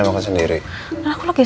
mau mengakhiri semua kebohongan kamu